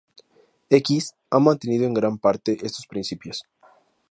X ha mantenido en gran parte estos principios.